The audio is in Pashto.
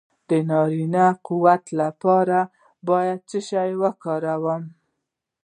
د نارینه قوت لپاره باید څه شی وکاروم؟